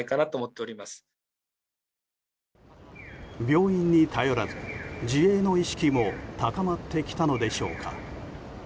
病院に頼らず、自衛の意識も高まってきたのでしょうか。